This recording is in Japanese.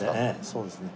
そうですね。